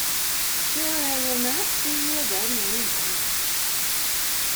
Sure I will not see you again any more.